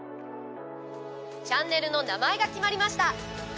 チャンネルの名前が決まりました。